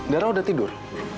dara udah tidur